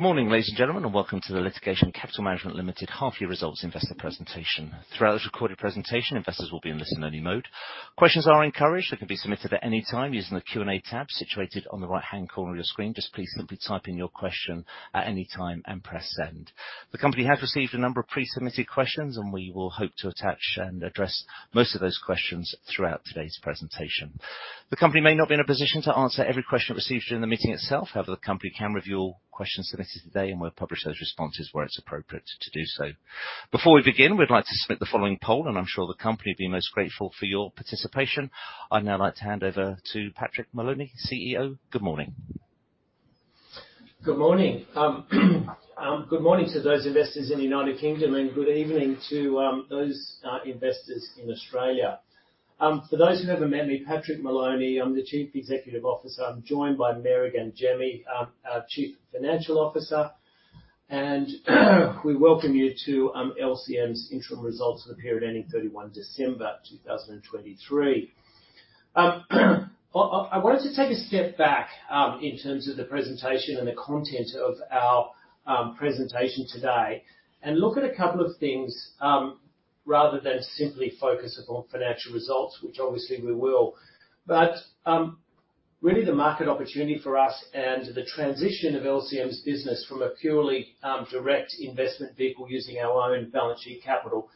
Morning, ladies and gentlemen, and welcome to the Litigation Capital Management Limited half-year results investor presentation. Throughout this recorded presentation, investors will be in listen-only mode. Questions are encouraged. They can be submitted at any time using the Q&A tab situated on the right-hand corner of your screen. Just please simply type in your question at any time and press send. The company has received a number of pre-submitted questions, and we will hope to attach and address most of those questions throughout today's presentation. The company may not be in a position to answer every question received during the meeting itself. However, the company can review all questions submitted today, and we'll publish those responses where it's appropriate to do so. Before we begin, we'd like to submit the following poll, and I'm sure the company would be most grateful for your participation. I'd now like to hand over to Patrick Moloney, CEO. Good morning. Good morning. Good morning to those investors in the United Kingdom, and good evening to those investors in Australia. For those who haven't met me, Patrick Moloney. I'm the Chief Executive Officer. I'm joined by Mary Gangemi, Chief Financial Officer. We welcome you to LCM's interim results for the period ending 31 December 2023. I wanted to take a step back, in terms of the presentation and the content of our presentation today and look at a couple of things, rather than simply focus upon financial results, which obviously we will. Really, the market opportunity for us and the transition of LCM's business from a purely direct investment vehicle using our own balance sheet capital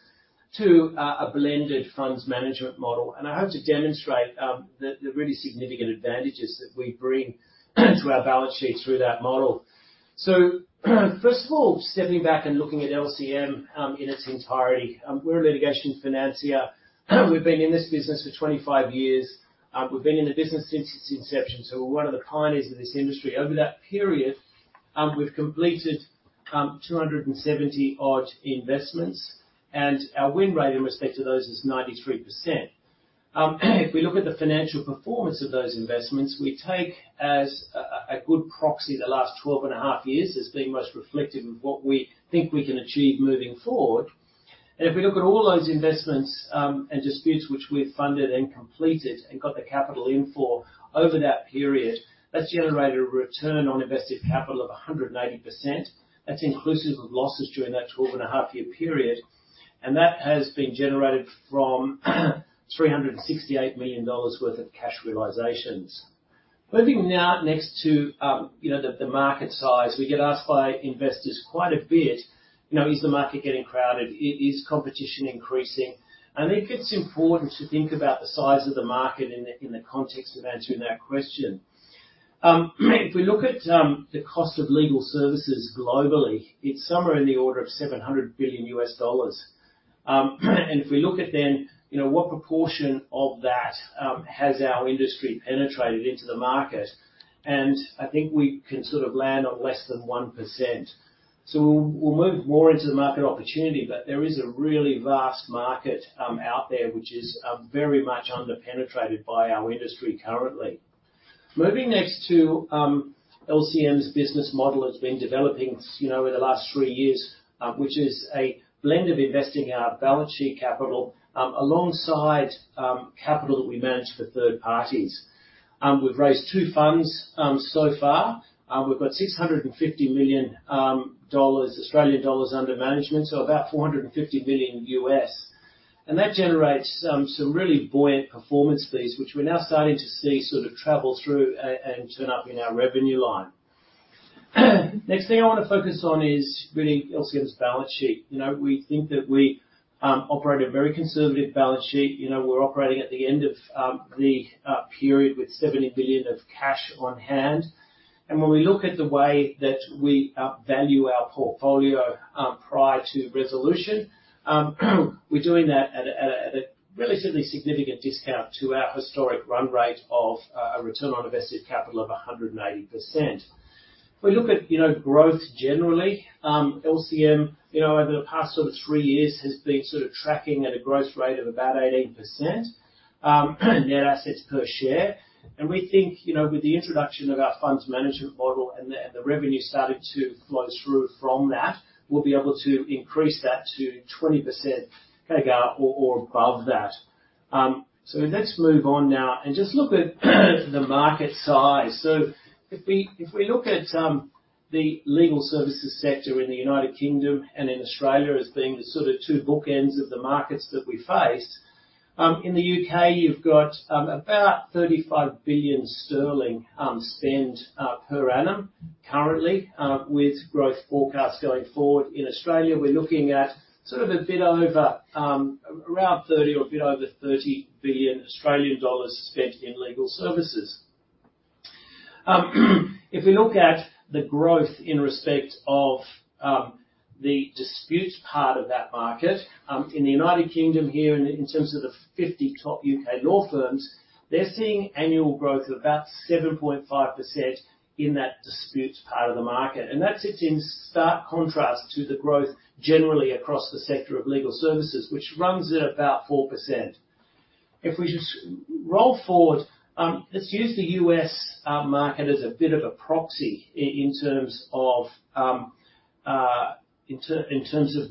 to a blended funds management model. I hope to demonstrate the really significant advantages that we bring to our balance sheet through that model. So, first of all, stepping back and looking at LCM, in its entirety, we're a litigation financier. We've been in this business for 25 years. We've been in the business since its inception, so we're one of the pioneers of this industry. Over that period, we've completed 270-odd investments, and our win rate in respect to those is 93%. If we look at the financial performance of those investments, we take as a good proxy the last 12 and a half years as being most reflective of what we think we can achieve moving forward. And if we look at all those investments, and disputes which we've funded and completed and got the capital in for over that period, that's generated a return on invested capital of 180%. That's inclusive of losses during that 12 and a half year period. And that has been generated from $368 million worth of cash realizations. Moving now next to, you know, the market size, we get asked by investors quite a bit, you know, "Is the market getting crowded? Is competition increasing?" And I think it's important to think about the size of the market in the context of answering that question. If we look at the cost of legal services globally, it's somewhere in the order of $700 billion. And if we look at then, you know, what proportion of that has our industry penetrated into the market? And I think we can sort of land on less than 1%. So we'll move more into the market opportunity, but there is a really vast market out there which is very much under-penetrated by our industry currently. Moving next to LCM's business model it's been developing, as you know, over the last three years, which is a blend of investing our balance sheet capital, alongside capital that we manage for third parties. We've raised two funds so far. We've got 650 million Australian dollars under management, so about $450 million US. And that generates some really buoyant performance fees which we're now starting to see sort of travel through and turn up in our revenue line. Next thing I wanna focus on is really LCM's balance sheet. You know, we think that we operate a very conservative balance sheet. You know, we're operating at the end of the period with 70 million of cash on hand. And when we look at the way that we value our portfolio, prior to resolution, we're doing that at a relatively significant discount to our historic run rate of a return on invested capital of 180%. If we look at, you know, growth generally, LCM, you know, over the past sort of three years has been sort of tracking at a growth rate of about 18%, net assets per share. And we think, you know, with the introduction of our funds management model and the revenue starting to flow through from that, we'll be able to increase that to 20% kind of CAGR or, or above that. So let's move on now and just look at the market size. So if we look at the legal services sector in the United Kingdom and in Australia as being the sort of two bookends of the markets that we face, in the U.K., you've got about 35 billion sterling spend per annum currently, with growth forecasts going forward. In Australia, we're looking at sort of a bit over around 30 or a bit over 30 billion Australian dollars spent in legal services. If we look at the growth in respect of the disputes part of that market, in the United Kingdom here in terms of the 50 top U.K. law firms, they're seeing annual growth of about 7.5% in that disputes part of the market. And that sits in stark contrast to the growth generally across the sector of legal services which runs at about 4%. If we just roll forward, let's use the U.S. market as a bit of a proxy in terms of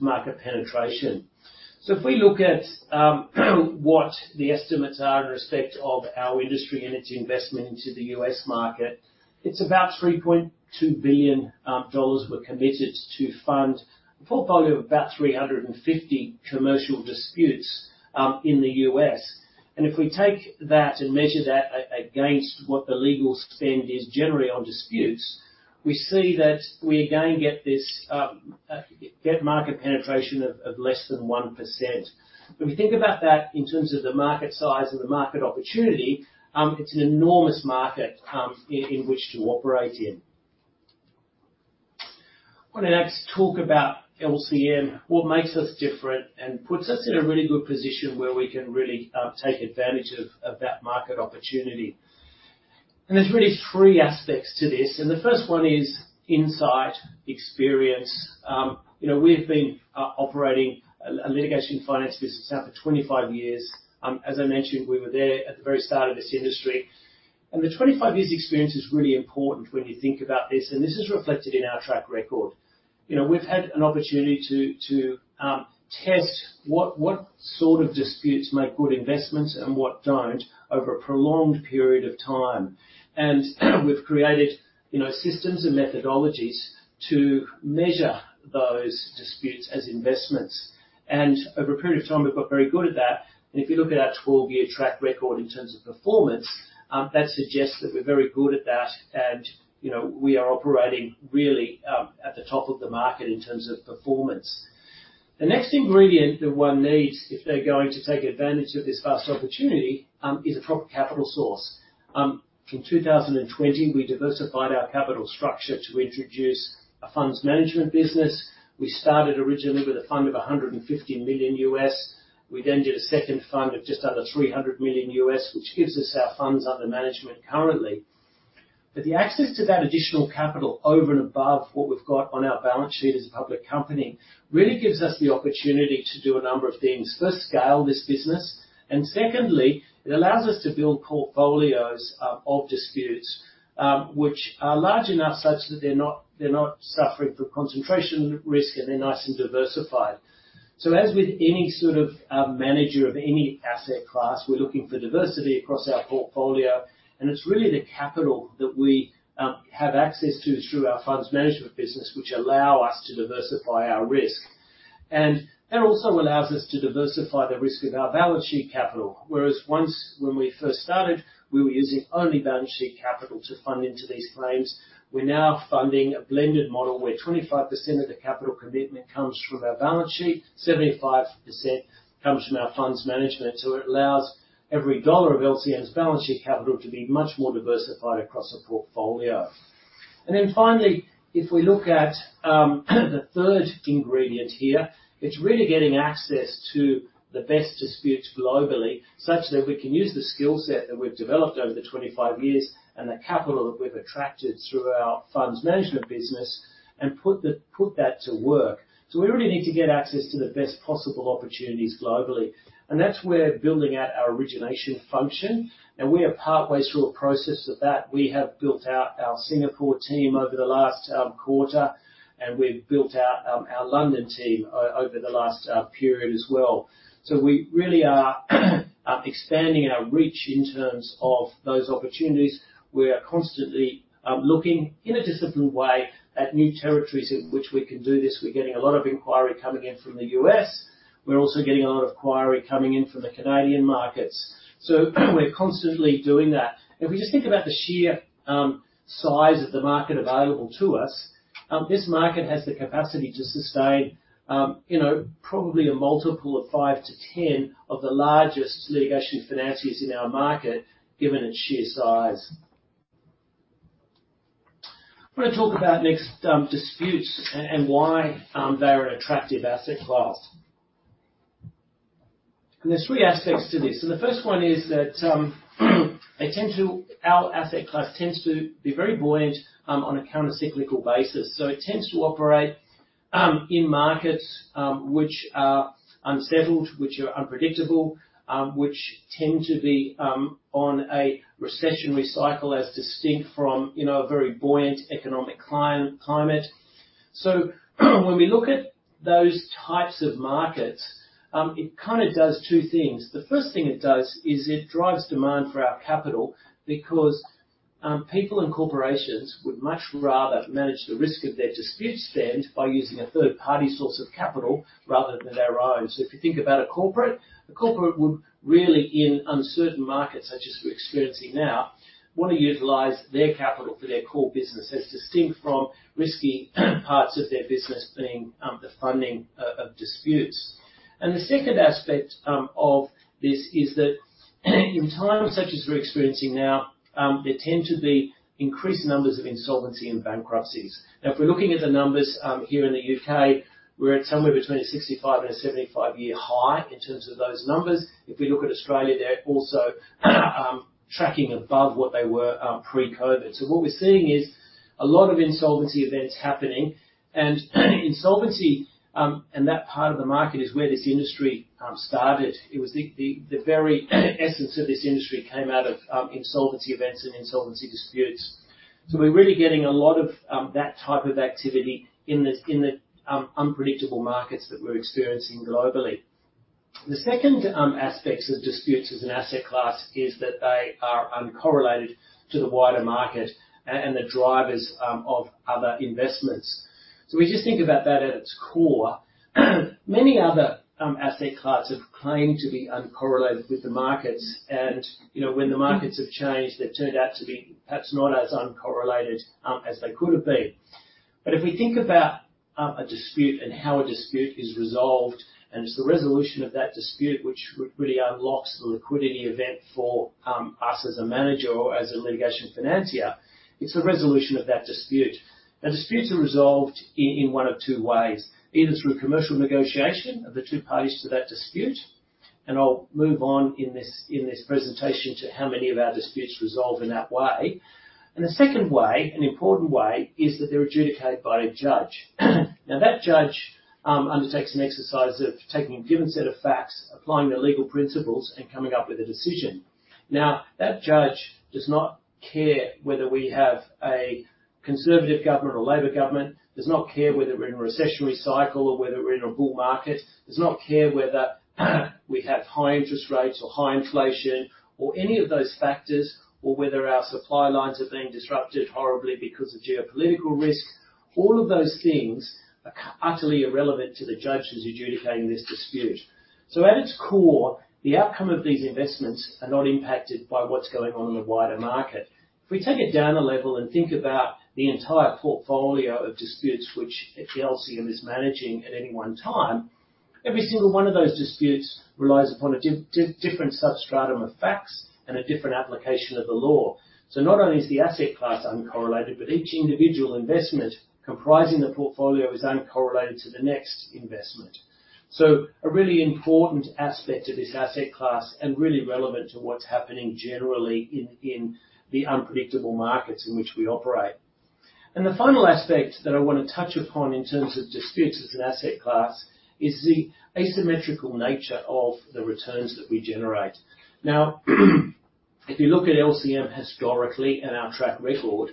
market penetration. So if we look at what the estimates are in respect of our industry and its investment into the U.S. market, it's about $3.2 billion we're committed to fund a portfolio of about 350 commercial disputes in the U.S. And if we take that and measure that against what the legal spend is generally on disputes, we see that we again get market penetration of less than 1%. If we think about that in terms of the market size and the market opportunity, it's an enormous market in which to operate in. I wanna next talk about LCM, what makes us different, and puts us in a really good position where we can really take advantage of that market opportunity. There's really three aspects to this. The first one is insight, experience. You know, we've been operating a litigation finance business now for 25 years. As I mentioned, we were there at the very start of this industry. The 25 years experience is really important when you think about this, and this is reflected in our track record. You know, we've had an opportunity to test what sort of disputes make good investments and what don't over a prolonged period of time. We've created, you know, systems and methodologies to measure those disputes as investments. Over a period of time, we've got very good at that. If you look at our 12-year track record in terms of performance, that suggests that we're very good at that and, you know, we are operating really at the top of the market in terms of performance. The next ingredient that one needs if they're going to take advantage of this vast opportunity is a proper capital source. In 2020, we diversified our capital structure to introduce a funds management business. We started originally with a fund of $150 million. We then did a second fund of just under $300 million, which gives us our funds under management currently. But the access to that additional capital over and above what we've got on our balance sheet as a public company really gives us the opportunity to do a number of things. First, scale this business. And secondly, it allows us to build portfolios of disputes, which are large enough such that they're not suffering from concentration risk, and they're nice and diversified. So as with any sort of manager of any asset class, we're looking for diversity across our portfolio. And it's really the capital that we have access to through our funds management business which allow us to diversify our risk. And that also allows us to diversify the risk of our balance sheet capital. Whereas once when we first started, we were using only balance sheet capital to fund into these claims, we're now funding a blended model where 25% of the capital commitment comes from our balance sheet, 75% comes from our funds management. So it allows every dollar of LCM's balance sheet capital to be much more diversified across the portfolio. Then finally, if we look at the third ingredient here, it's really getting access to the best disputes globally such that we can use the skill set that we've developed over the 25 years and the capital that we've attracted through our funds management business and put that to work. So we really need to get access to the best possible opportunities globally. That's where building out our origination function. We are partway through a process of that. We have built out our Singapore team over the last quarter, and we've built out our London team over the last period as well. So we really are expanding our reach in terms of those opportunities. We are constantly looking in a disciplined way at new territories in which we can do this. We're getting a lot of inquiry coming in from the U.S. We're also getting a lot of inquiry coming in from the Canadian markets. So we're constantly doing that. If we just think about the sheer size of the market available to us, this market has the capacity to sustain, you know, probably a multiple of 5-10 of the largest litigation financiers in our market given its sheer size. I wanna talk about next, disputes and why they're an attractive asset class. There's three aspects to this. The first one is that our asset class tends to be very buoyant on a countercyclical basis. So it tends to operate in markets which are unsettled, which are unpredictable, which tend to be on a recessionary cycle as distinct from, you know, a very buoyant economic climate. So when we look at those types of markets, it kind of does two things. The first thing it does is it drives demand for our capital because people and corporations would much rather manage the risk of their dispute spend by using a third-party source of capital rather than their own. So if you think about a corporate, a corporate would really in uncertain markets such as we're experiencing now wanna utilize their capital for their core business as distinct from risky parts of their business being the funding of disputes. And the second aspect of this is that in times such as we're experiencing now there tend to be increased numbers of insolvency and bankruptcies. Now, if we're looking at the numbers, here in the U.K., we're at somewhere between a 65- and 75-year high in terms of those numbers. If we look at Australia, they're also tracking above what they were pre-COVID. So what we're seeing is a lot of insolvency events happening. And insolvency and that part of the market is where this industry started. It was the very essence of this industry came out of insolvency events and insolvency disputes. So we're really getting a lot of that type of activity in the unpredictable markets that we're experiencing globally. The second aspects of disputes as an asset class is that they are uncorrelated to the wider market and the drivers of other investments. So if we just think about that at its core, many other asset classes have claimed to be uncorrelated with the markets. And, you know, when the markets have changed, they've turned out to be perhaps not as uncorrelated as they could have been. But if we think about a dispute and how a dispute is resolved and it's the resolution of that dispute which really unlocks the liquidity event for us as a manager or as a litigation financier, it's the resolution of that dispute. Now, disputes are resolved in one of two ways. Either through commercial negotiation of the two parties to that dispute. I'll move on in this presentation to how many of our disputes resolve in that way. The second way, an important way, is that they're adjudicated by a judge. Now, that judge undertakes an exercise of taking a given set of facts, applying the legal principles, and coming up with a decision. Now, that judge does not care whether we have a conservative government or Labor government. Does not care whether we're in a recessionary cycle or whether we're in a bull market. Does not care whether we have high interest rates or high inflation or any of those factors or whether our supply lines are being disrupted horribly because of geopolitical risk. All of those things are utterly irrelevant to the judge who's adjudicating this dispute. So at its core, the outcome of these investments are not impacted by what's going on in the wider market. If we take it down a level and think about the entire portfolio of disputes which LCM is managing at any one time, every single one of those disputes relies upon a different substratum of facts and a different application of the law. So not only is the asset class uncorrelated, but each individual investment comprising the portfolio is uncorrelated to the next investment. So a really important aspect of this asset class and really relevant to what's happening generally in the unpredictable markets in which we operate. And the final aspect that I wanna touch upon in terms of disputes as an asset class is the asymmetrical nature of the returns that we generate. Now, if you look at LCM historically and our track record,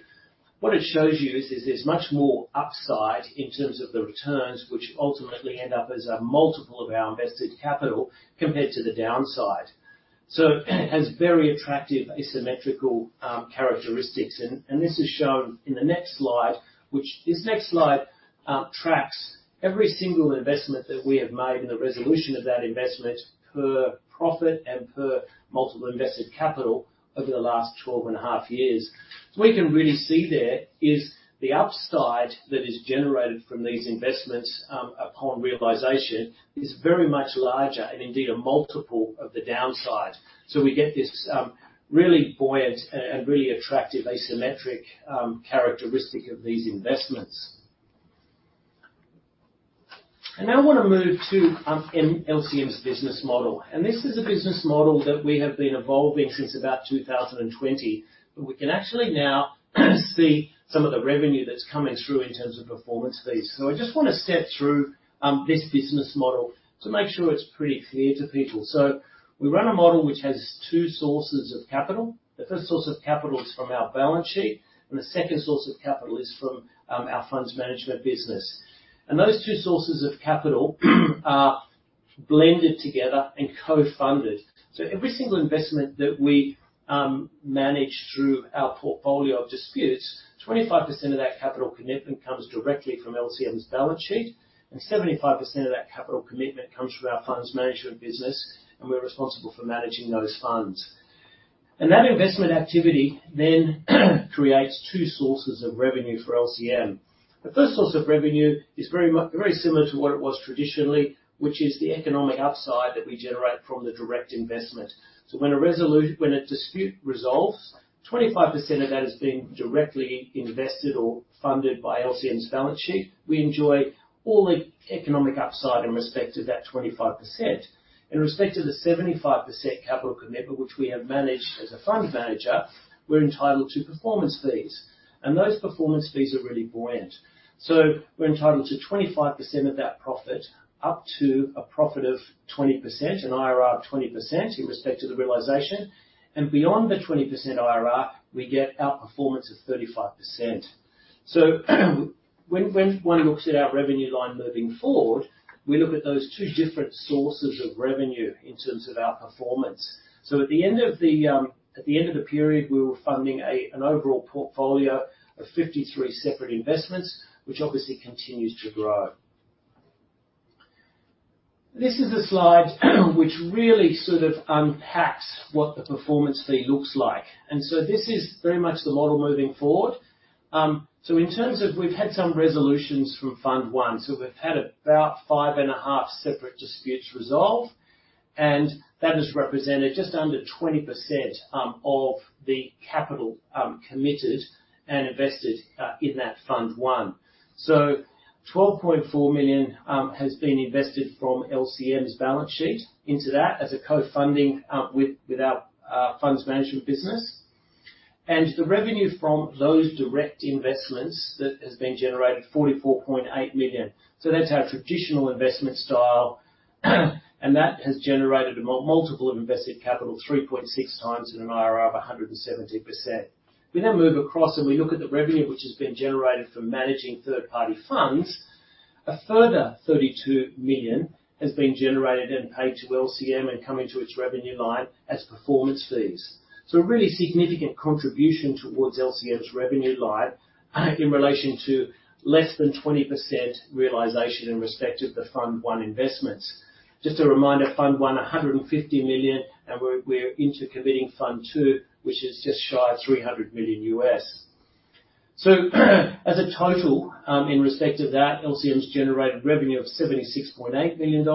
what it shows you is there's much more upside in terms of the returns which ultimately end up as a multiple of our invested capital compared to the downside. So it has very attractive asymmetrical characteristics. And this is shown in the next slide, which tracks every single investment that we have made in the resolution of that investment per profit and per multiple invested capital over the last 12.5 years. What we can really see there is the upside that is generated from these investments, upon realization is very much larger and indeed a multiple of the downside. So we get this, really buoyant and really attractive asymmetric characteristic of these investments. And now I wanna move to LCM's business model. And this is a business model that we have been evolving since about 2020. But we can actually now see some of the revenue that's coming through in terms of performance fees. So I just wanna step through this business model to make sure it's pretty clear to people. So we run a model which has two sources of capital. The first source of capital is from our balance sheet, and the second source of capital is from our funds management business. And those two sources of capital are blended together and co-funded. So every single investment that we manage through our portfolio of disputes, 25% of that capital comes directly from LCM's balance sheet, and 75% of that capital commitment comes from our funds management business, and we're responsible for managing those funds. And that investment activity then creates two sources of revenue for LCM. The first source of revenue is very similar to what it was traditionally, which is the economic upside that we generate from the direct investment. So when a dispute resolves, 25% of that has been directly invested or funded by LCM's balance sheet. We enjoy all the economic upside in respect of that 25%. In respect of the 75% capital commitment which we have managed as a fund manager, we're entitled to performance fees. And those performance fees are really buoyant. So we're entitled to 25% of that profit up to a profit of 20%, an IRR of 20% in respect to the realization. And beyond the 20% IRR, we get our performance of 35%. So when one looks at our revenue line moving forward, we look at those two different sources of revenue in terms of our performance. So at the end of the period, we were funding an overall portfolio of 53 separate investments which obviously continues to grow. This is a slide which really sort of unpacks what the performance fee looks like. And so this is very much the model moving forward. So in terms of we've had some resolutions from Fund 1. So we've had about 5.5 separate disputes resolved, and that has represented just under 20% of the capital committed and invested in that Fund 1. So 12.4 million has been invested from LCM's balance sheet into that as a co-funding with our funds management business. And the revenue from those direct investments that has been generated, 44.8 million. So that's our traditional investment style. And that has generated a multiple of invested capital, 3.6x in an IRR of 170%. We then move across and we look at the revenue which has been generated from managing third-party funds. A further 32 million has been generated and paid to LCM and come into its revenue line as performance fees. So a really significant contribution towards LCM's revenue line, in relation to less than 20% realization in respect of the Fund 1 investments. Just a reminder, Fund 1, $150 million, and we're into committing Fund 2 which is just shy of $300 million. So as a total, in respect of that, LCM's generated revenue of $76.8 million.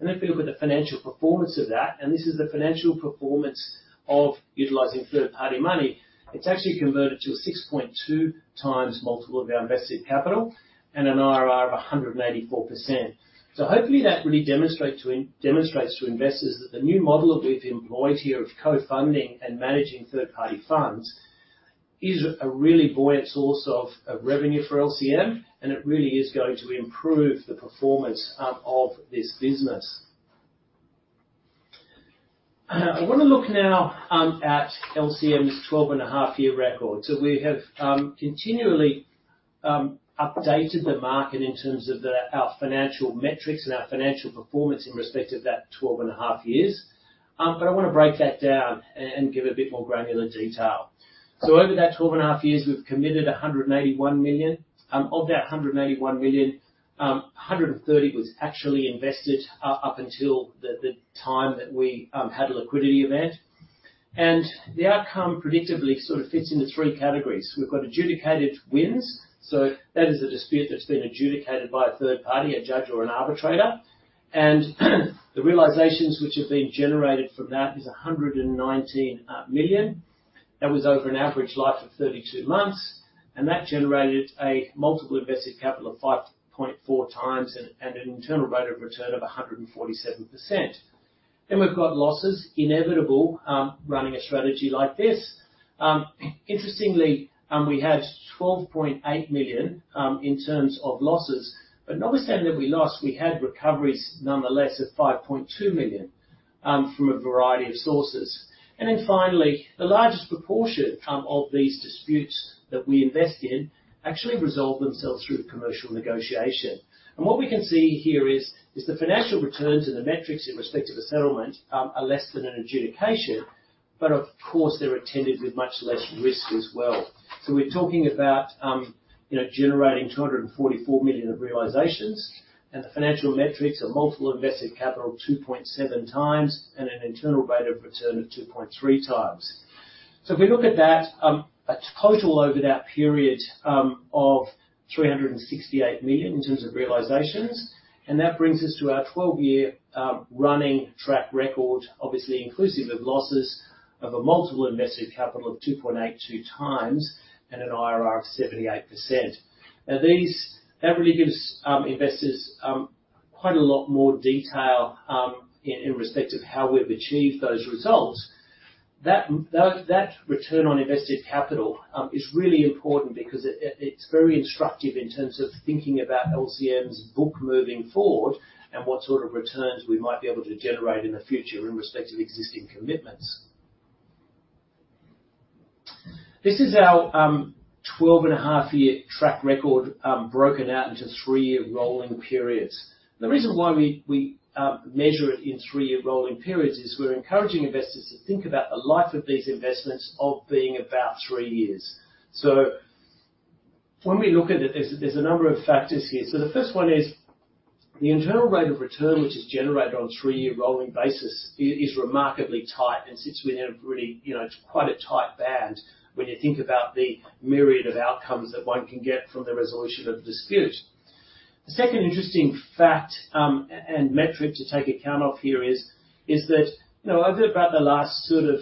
And if we look at the financial performance of that, and this is the financial performance of utilizing third-party money, it's actually converted to a 6.2x multiple of our invested capital and an IRR of 184%. So hopefully that really demonstrates to investors that the new model that we've employed here of co-funding and managing third-party funds is a really buoyant source of revenue for LCM, and it really is going to improve the performance of this business. I wanna look now at LCM's 12.5-year record. So we have continually updated the market in terms of our financial metrics and our financial performance in respect of that 12.5 years. But I wanna break that down and give a bit more granular detail. So over that 12.5 years, we've committed 181 million. Of that 181 million, 130 million was actually invested, up until the time that we had a liquidity event. And the outcome predictably sort of fits into three categories. We've got adjudicated wins. So that is a dispute that's been adjudicated by a third party, a judge or an arbitrator. And the realizations which have been generated from that is 119 million. That was over an average life of 32 months. And that generated a multiple invested capital of 5.4x and an internal rate of return of 147%. Then we've got losses, inevitable, running a strategy like this. Interestingly, we had 12.8 million in terms of losses. But notwithstanding that we lost, we had recoveries nonetheless of 5.2 million from a variety of sources. And then finally, the largest proportion of these disputes that we invest in actually resolve themselves through commercial negotiation. What we can see here is the financial returns and the metrics in respect of a settlement are less than an adjudication, but of course they're attended with much less risk as well. So we're talking about, you know, generating 244 million of realisations, and the financial metrics are multiple invested capital 2.7x and an internal rate of return of 2.3x. So if we look at that, a total over that period of 368 million in terms of realisations, and that brings us to our 12-year running track record, obviously inclusive of losses, of a multiple invested capital of 2.82x and an IRR of 78%. Now, these that really gives investors quite a lot more detail in respect of how we've achieved those results. That, though, that return on invested capital is really important because it it's very instructive in terms of thinking about LCM's book moving forward and what sort of returns we might be able to generate in the future in respect of existing commitments. This is our 12.5-year track record, broken out into 3-year rolling periods. The reason why we measure it in 3-year rolling periods is we're encouraging investors to think about the life of these investments of being about 3 years. So when we look at it, there's a number of factors here. So the first one is the internal rate of return which is generated on 3-year rolling basis is remarkably tight and sits within a really, you know, it's quite a tight band when you think about the myriad of outcomes that one can get from the resolution of a dispute. The second interesting fact and metric to take account of here is that, you know, over about the last sort of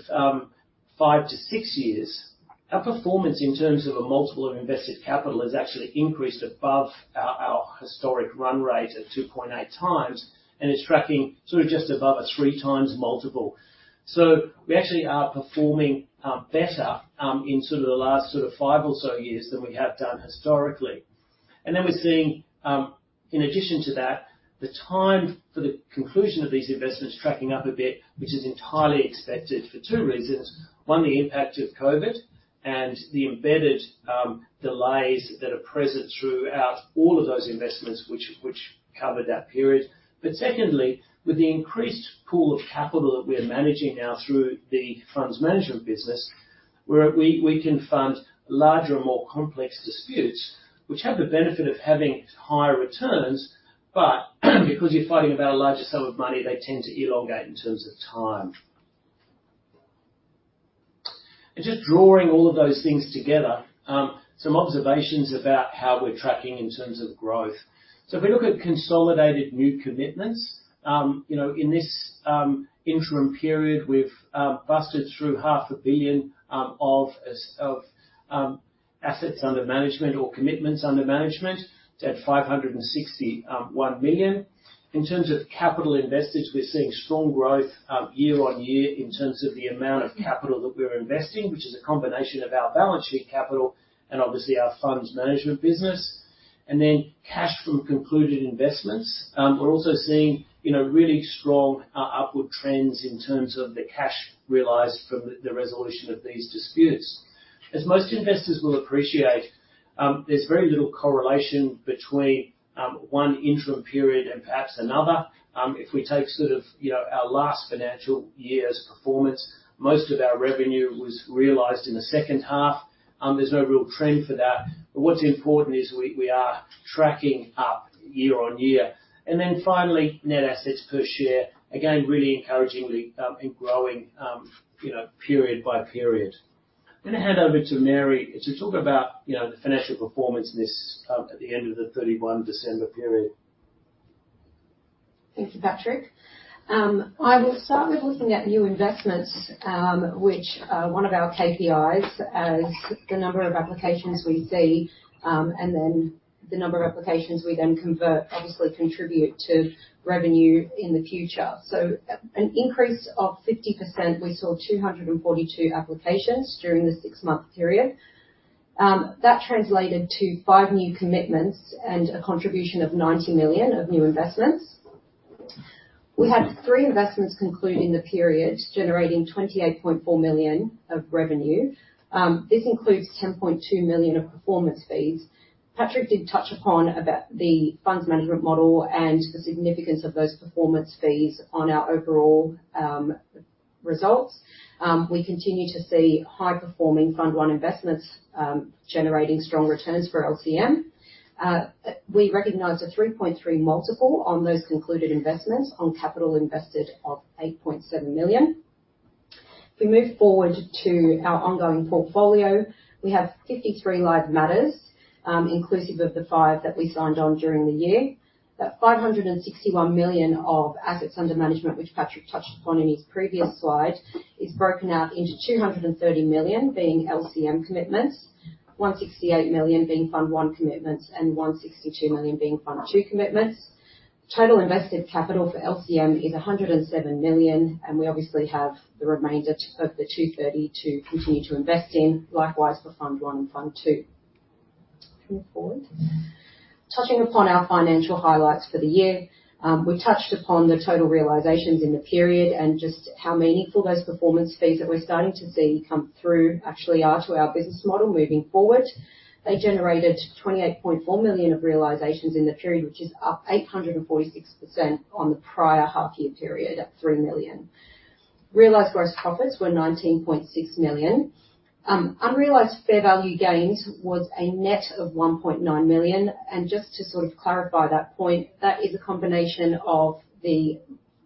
5-6 years, our performance in terms of a multiple of invested capital has actually increased above our historic run rate of 2.8x, and it's tracking sort of just above a 3x multiple. So we actually are performing better in sort of the last sort of 5 or so years than we have done historically. And then we're seeing, in addition to that, the time for the conclusion of these investments tracking up a bit, which is entirely expected for two reasons. One, the impact of COVID and the embedded, delays that are present throughout all of those investments which covered that period. But secondly, with the increased pool of capital that we are managing now through the funds management business, where we can fund larger and more complex disputes which have the benefit of having higher returns, but because you're fighting about a larger sum of money, they tend to elongate in terms of time. And just drawing all of those things together, some observations about how we're tracking in terms of growth. So if we look at consolidated new commitments, you know, in this interim period, we've busted through half a billion of, as of, assets under management or commitments under management to at 561 million. In terms of capital invested, we're seeing strong growth, year-on-year in terms of the amount of capital that we're investing, which is a combination of our balance sheet capital and obviously our funds management business. And then cash from concluded investments, we're also seeing, you know, really strong, upward trends in terms of the cash realized from the, the resolution of these disputes. As most investors will appreciate, there's very little correlation between, one interim period and perhaps another. If we take sort of, you know, our last financial year's performance, most of our revenue was realized in the second half. There's no real trend for that. But what's important is we are tracking up year-on-year. And then finally, net assets per share, again, really encouragingly, and growing, you know, period by period. I'm gonna hand over to Mary to talk about, you know, the financial performance in this, at the end of the 31 December period. Thank you, Patrick. I will start with looking at new investments, which, one of our KPIs as the number of applications we see, and then the number of applications we then convert obviously contribute to revenue in the future. So an increase of 50%, we saw 242 applications during the six-month period. That translated to five new commitments and a contribution of 90 million of new investments. We had three investments conclude in the period generating 28.4 million of revenue. This includes 10.2 million of performance fees. Patrick did touch upon about the funds management model and the significance of those performance fees on our overall results. We continue to see high performing Fund 1 investments, generating strong returns for LCM. We recognize a 3.3 multiple on those concluded investments on capital invested of 8.7 million. If we move forward to our ongoing portfolio, we have 53 live matters, inclusive of the five that we signed on during the year. That 561 million of assets under management, which Patrick touched upon in his previous slide, is broken out into 230 million being LCM commitments, 168 million being Fund 1 commitments, and 162 million being Fund 2 commitments. Total invested capital for LCM is 107 million, and we obviously have the remainder of the 230 to continue to invest in, likewise for Fund 1 and Fund 2. Moving forward. Touching upon our financial highlights for the year, we touched upon the total realizations in the period and just how meaningful those performance fees that we're starting to see come through actually are to our business model moving forward. They generated 28.4 million of realizations in the period, which is up 846% on the prior half-year period at 3 million. Realized gross profits were 19.6 million. Unrealized fair value gains was a net of 1.9 million. Just to sort of clarify that point, that is a combination of the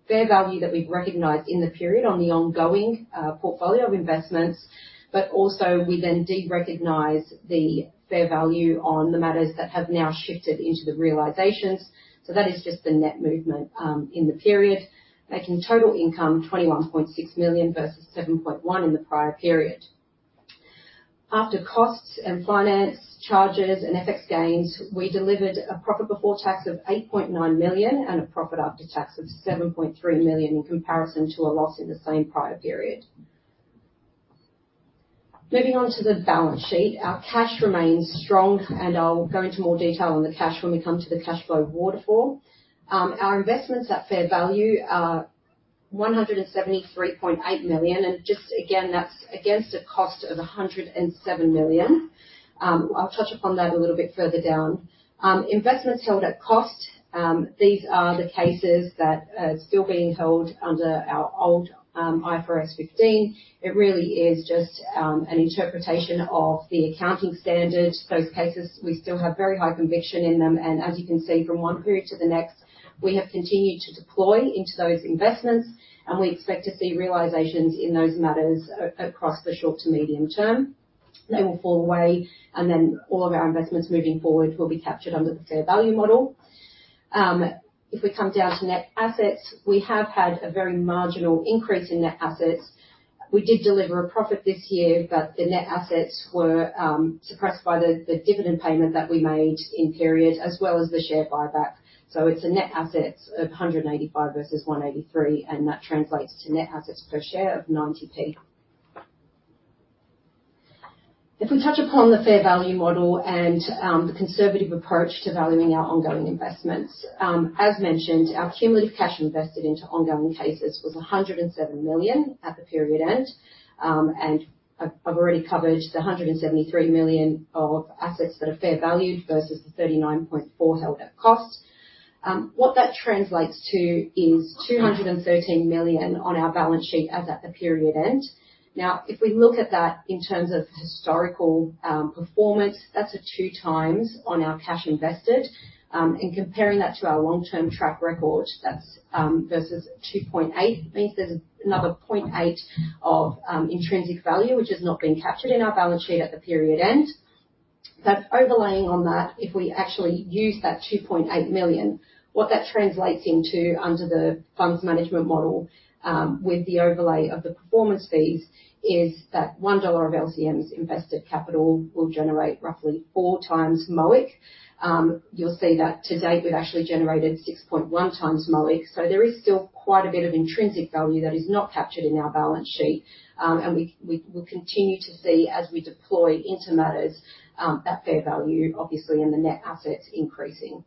fair value that we've recognized in the period on the ongoing portfolio of investments, but also we then de-recognize the fair value on the matters that have now shifted into the realizations. That is just the net movement in the period making total income 21.6 million versus 7.1 million in the prior period. After costs and finance charges and FX gains, we delivered a profit before tax of 8.9 million and a profit after tax of 7.3 million in comparison to a loss in the same prior period. Moving on to the balance sheet, our cash remains strong, and I'll go into more detail on the cash when we come to the cash flow waterfall. Our investments at fair value are 173.8 million, and just again, that's against a cost of 107 million. I'll touch upon that a little bit further down. Investments held at cost, these are the cases that are still being held under our old, IFRS 15. It really is just an interpretation of the accounting standard. Those cases, we still have very high conviction in them, and as you can see from one period to the next, we have continued to deploy into those investments, and we expect to see realisations in those matters across the short to medium term. They will fall away, and then all of our investments moving forward will be captured under the fair value model. If we come down to net assets, we have had a very marginal increase in net assets. We did deliver a profit this year, but the net assets were suppressed by the dividend payment that we made in period as well as the share buyback. So it's net assets of 185 versus 183, and that translates to net assets per share of 0.90. If we touch upon the fair value model and the conservative approach to valuing our ongoing investments, as mentioned, our cumulative cash invested into ongoing cases was 107 million at the period end. I've already covered the 173 million of assets that are fair valued versus the 39.4 million held at cost. What that translates to is 213 million on our balance sheet as at the period end. Now, if we look at that in terms of historical performance, that's a 2x on our cash invested. Comparing that to our long term track record, that's versus 2.8 means there's another 0.8 of intrinsic value which has not been captured in our balance sheet at the period end. But overlaying on that, if we actually use that $2.8 million, what that translates into under the funds management model, with the overlay of the performance fees is that $1 of LCM's invested capital will generate roughly 4x MOIC. You'll see that to date we've actually generated 6.1x MOIC. So there is still quite a bit of intrinsic value that is not captured in our balance sheet, and we, we'll continue to see as we deploy into matters, that fair value obviously and the net assets increasing.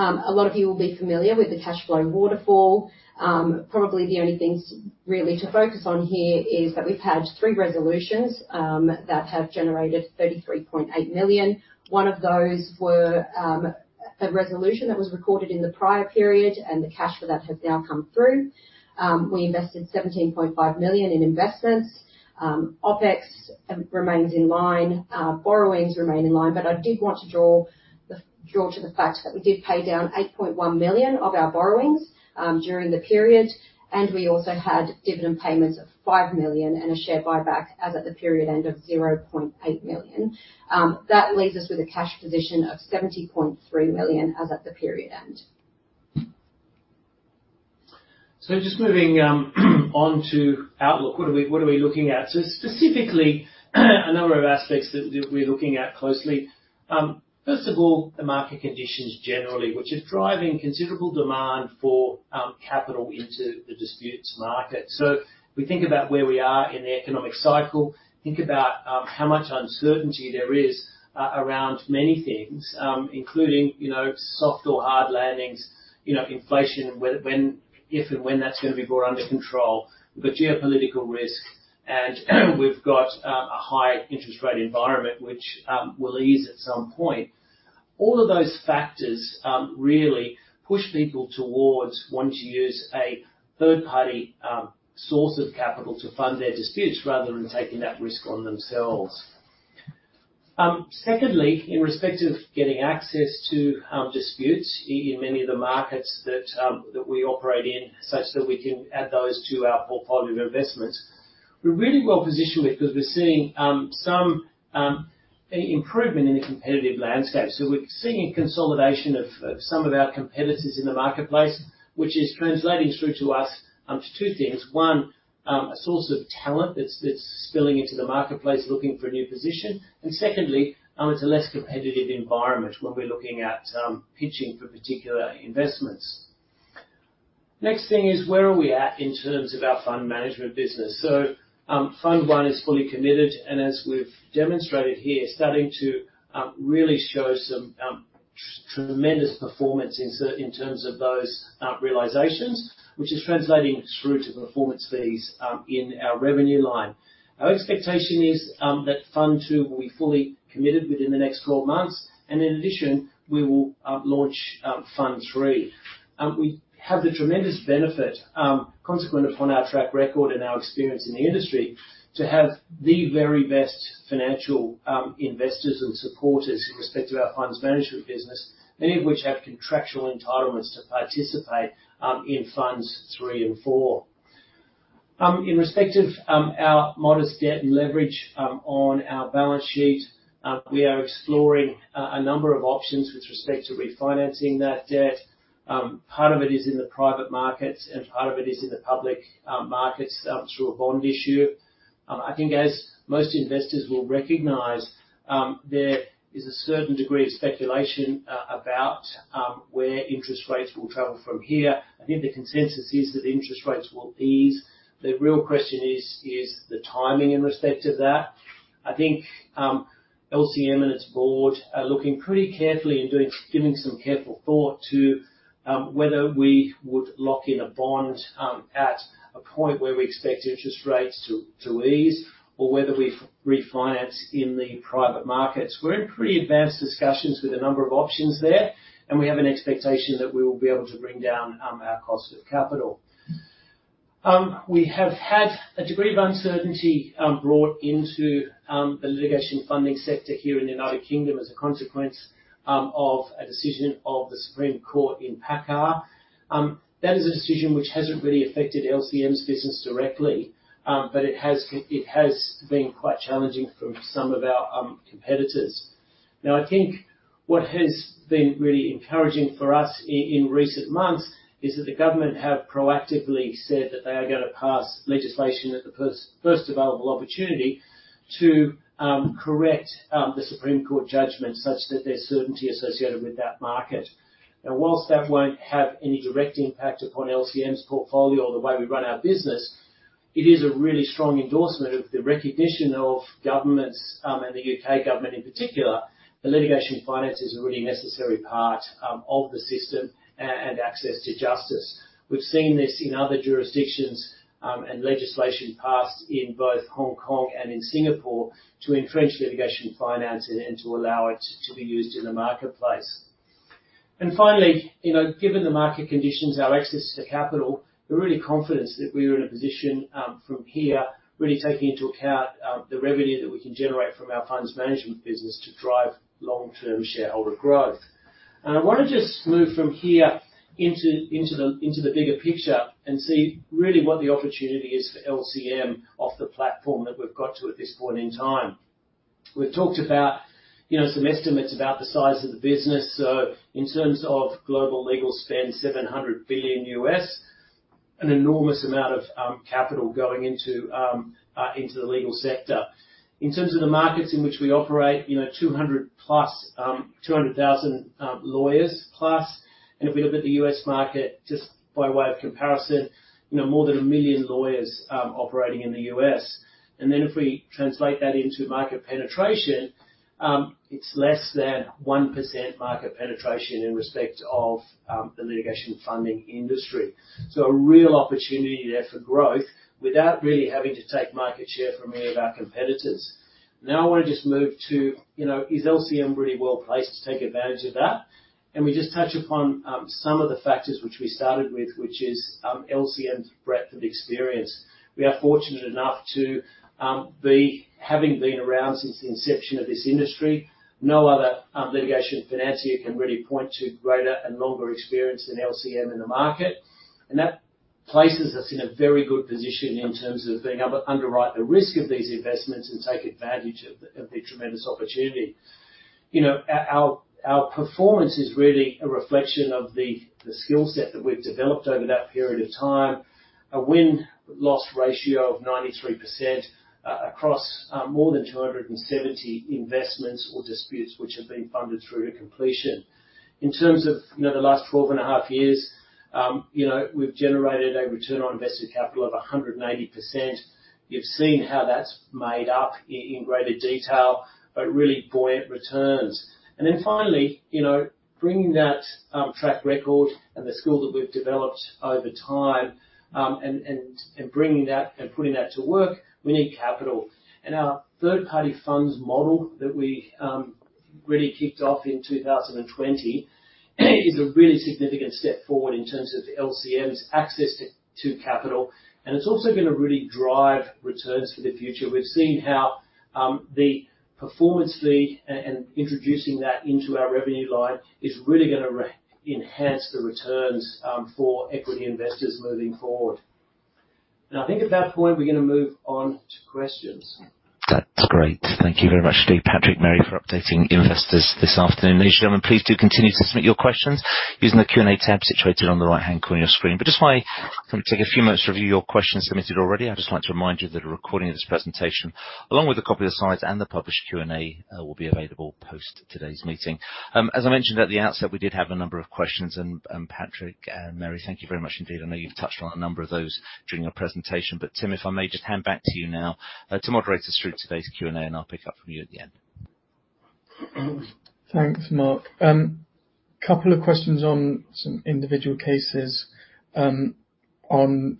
A lot of you will be familiar with the cash flow waterfall. Probably the only things really to focus on here is that we've had three resolutions that have generated $33.8 million. One of those were a resolution that was recorded in the prior period, and the cash for that has now come through. We invested $17.5 million in investments. OpEx remains in line. Borrowings remain in line, but I did want to draw attention to the fact that we did pay down 8.1 million of our borrowings during the period, and we also had dividend payments of 5 million and a share buyback as at the period end of 0.8 million. That leaves us with a cash position of 70.3 million as at the period end. So just moving on to Outlook, what are we looking at? So specifically, a number of aspects that we're looking at closely. First of all, the market conditions generally which are driving considerable demand for capital into the disputes market. So we think about where we are in the economic cycle, think about how much uncertainty there is around many things, including, you know, soft or hard landings, you know, inflation and whether when, if and when that's gonna be brought under control. We've got geopolitical risk, and we've got a high interest rate environment which will ease at some point. All of those factors really push people towards wanting to use a third-party source of capital to fund their disputes rather than taking that risk on themselves. Secondly, in respect of getting access to disputes in many of the markets that we operate in such that we can add those to our portfolio of investments, we're really well positioned because we're seeing some improvement in the competitive landscape. So we're seeing a consolidation of some of our competitors in the marketplace which is translating through to us, to two things. One, a source of talent that's spilling into the marketplace looking for a new position. And secondly, it's a less competitive environment when we're looking at pitching for particular investments. Next thing is where are we at in terms of our fund management business? So, Fund 1 is fully committed, and as we've demonstrated here, starting to really show some tremendous performance in terms of those realizations which is translating through to performance fees, in our revenue line. Our expectation is that Fund 2 will be fully committed within the next 12 months, and in addition, we will launch Fund 3. We have the tremendous benefit, consequent upon our track record and our experience in the industry, to have the very best financial investors and supporters in respect to our funds management business, many of which have contractual entitlements to participate in Funds 3 and 4. In respect of our modest debt and leverage on our balance sheet, we are exploring a number of options with respect to refinancing that debt. Part of it is in the private markets, and part of it is in the public markets, through a bond issue. I think as most investors will recognize, there is a certain degree of speculation about where interest rates will travel from here. I think the consensus is that interest rates will ease. The real question is the timing in respect of that. I think, LCM and its Board are looking pretty carefully and doing giving some careful thought to, whether we would lock in a bond, at a point where we expect interest rates to ease or whether we refinance in the private markets. We're in pretty advanced discussions with a number of options there, and we have an expectation that we will be able to bring down, our cost of capital. We have had a degree of uncertainty, brought into, the litigation funding sector here in the United Kingdom as a consequence, of a decision of the Supreme Court in PACCAR. That is a decision which hasn't really affected LCM's business directly, but it has been quite challenging from some of our, competitors. Now, I think what has been really encouraging for us in recent months is that the government have proactively said that they are gonna pass legislation at the first available opportunity to correct the Supreme Court judgment such that there's certainty associated with that market. Now, while that won't have any direct impact upon LCM's portfolio or the way we run our business, it is a really strong endorsement of the recognition of governments, and the U.K. government in particular that litigation finance is a really necessary part of the system and access to justice. We've seen this in other jurisdictions, and legislation passed in both Hong Kong and in Singapore to entrench litigation finance and to allow it to be used in the marketplace. And finally, you know, given the market conditions, our access to capital, we're really confident that we are in a position, from here really taking into account, the revenue that we can generate from our funds management business to drive long-term shareholder growth. And I wanna just move from here into the bigger picture and see really what the opportunity is for LCM off the platform that we've got to at this point in time. We've talked about, you know, some estimates about the size of the business. So in terms of global legal spend, $700 billion, an enormous amount of capital going into the legal sector. In terms of the markets in which we operate, you know, 200+, 200,000 lawyers plus. If we look at the U.S. market just by way of comparison, you know, more than 1 million lawyers operating in the U.S. Then if we translate that into market penetration, it's less than 1% market penetration in respect of the litigation funding industry. So a real opportunity there for growth without really having to take market share from any of our competitors. Now I wanna just move to, you know, is LCM really well placed to take advantage of that? And we just touch upon some of the factors which we started with which is LCM's breadth of experience. We are fortunate enough to be having been around since the inception of this industry. No other litigation financier can really point to greater and longer experience than LCM in the market. And that places us in a very good position in terms of being able to underwrite the risk of these investments and take advantage of the tremendous opportunity. You know, our performance is really a reflection of the skill set that we've developed over that period of time, a win-loss ratio of 93% across more than 270 investments or disputes which have been funded through to completion. In terms of, you know, the last 12 and a half years, you know, we've generated a return on invested capital of 180%. You've seen how that's made up in greater detail, but really buoyant returns. And then finally, you know, bringing that track record and the skill that we've developed over time, and bringing that and putting that to work, we need capital. Our third party funds model that we really kicked off in 2020 is a really significant step forward in terms of LCM's access to capital. And it's also gonna really drive returns for the future. We've seen how the performance fee and introducing that into our revenue line is really gonna really enhance the returns for equity investors moving forward. Now I think at that point we're gonna move on to questions. That's great. Thank you very much to Patrick, Mary, for updating investors this afternoon. Ladies and gentlemen, please do continue to submit your questions using the Q&A tab situated on the right hand corner of your screen. But just while I can take a few minutes to review your questions submitted already, I'd just like to remind you that a recording of this presentation along with a copy of the slides and the published Q&A will be available post today's meeting. As I mentioned at the outset, we did have a number of questions. And Patrick, Mary, thank you very much indeed. I know you've touched on a number of those during your presentation. But Tim, if I may just hand back to you now, to moderate us through today's Q&A, and I'll pick up from you at the end. Thanks, Mark. Couple of questions on some individual cases, on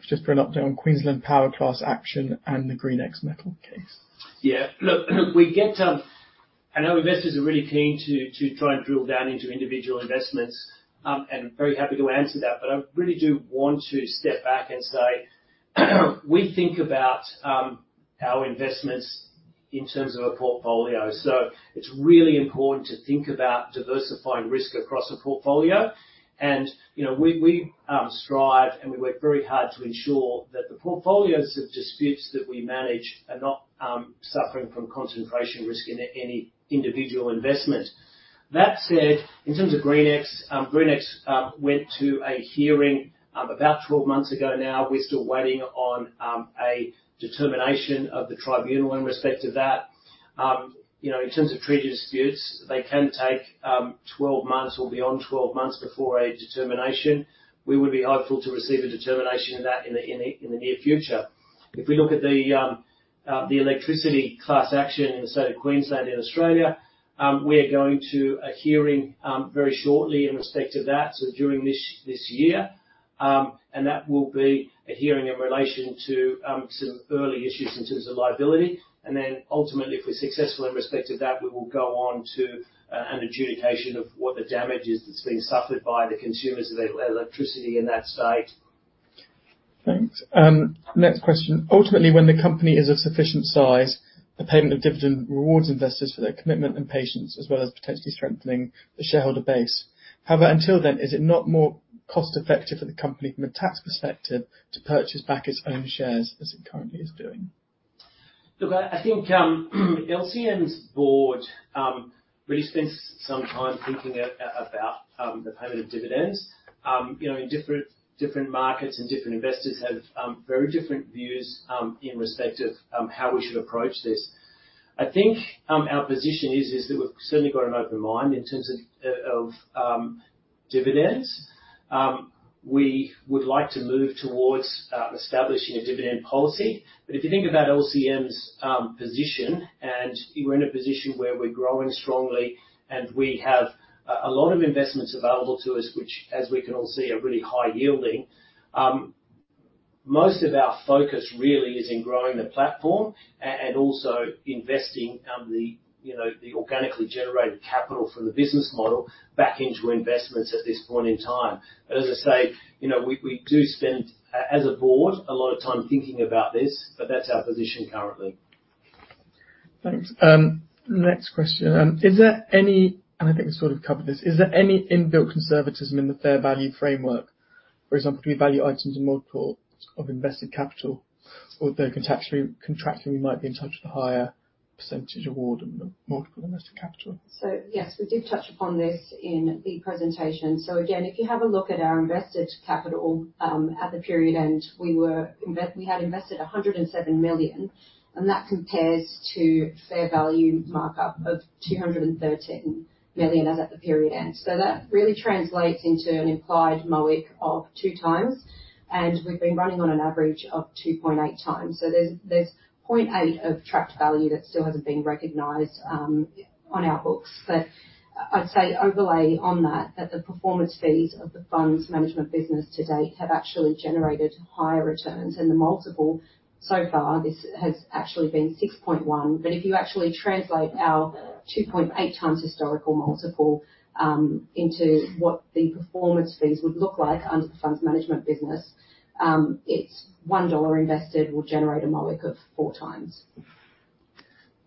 just for an update on Queensland Power Class Action and the GreenX Metals case. Yeah. Look, look, we get. I know investors are really keen to, to try and drill down into individual investments, and very happy to answer that. But I really do want to step back and say we think about our investments in terms of a portfolio. So it's really important to think about diversifying risk across a portfolio. And, you know, we strive and we work very hard to ensure that the portfolios of disputes that we manage are not suffering from concentration risk in any individual investment. That said, in terms of GreenX, GreenX went to a hearing about 12 months ago now. We're still waiting on a determination of the tribunal in respect of that. You know, in terms of treaty disputes, they can take 12 months or beyond 12 months before a determination. We would be hopeful to receive a determination of that in the near future. If we look at the electricity class action in the state of Queensland and Australia, we are going to a hearing very shortly in respect of that. So during this year. And that will be a hearing in relation to some early issues in terms of liability. And then ultimately, if we're successful in respect of that, we will go on to an adjudication of what the damage is that's being suffered by the consumers of electricity in that state. Thanks. Next question. Ultimately, when the company is of sufficient size, the payment of dividend rewards investors for their commitment and patience as well as potentially strengthening the shareholder base. However, until then, is it not more cost-effective for the company from a tax perspective to purchase back its own shares as it currently is doing? Look, I think, LCM's Board really spends some time thinking about the payment of dividends. You know, in different markets and different investors have very different views in respect of how we should approach this. I think our position is that we've certainly got an open mind in terms of of dividends. We would like to move towards establishing a dividend policy. But if you think about LCM's position and we're in a position where we're growing strongly and we have a lot of investments available to us which, as we can all see, are really high yielding, most of our focus really is in growing the platform and also investing the, you know, the organically generated capital from the business model back into investments at this point in time. But as I say, you know, we, we do spend as a Board a lot of time thinking about this, but that's our position currently. Thanks. Next question. Is there any and I think we've sort of covered this. Is there any inbuilt conservatism in the fair value framework? For example, do we value items in multiple of invested capital or the contractually contracting we might be in touch with a higher percentage award of multiple invested capital? Yes, we did touch upon this in the presentation. Again, if you have a look at our invested capital, at the period end, we had invested 107 million, and that compares to fair value markup of 213 million as at the period end. That really translates into an implied MOIC of 2x, and we've been running on an average of 2.8x. There's 0.8 of tracked value that still hasn't been recognised, on our books. But I'd say overlay on that, that the performance fees of the funds management business to date have actually generated higher returns. And the multiple so far, this has actually been 6.1x. But if you actually translate our 2.8x historical multiple, into what the performance fees would look like under the funds management business, it's $1 invested will generate a MOIC of 4x.